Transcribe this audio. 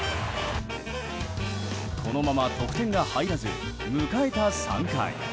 このまま得点が入らず迎えた３回。